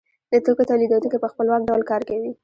د توکو تولیدونکی په خپلواک ډول کار کوي